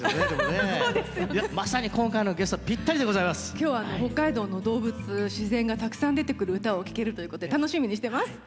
今日は北海道の動物自然がたくさん出てくる唄を聴けるということで楽しみにしてます。